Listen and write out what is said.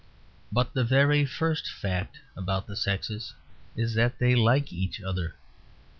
But the very first fact about the sexes is that they like each other.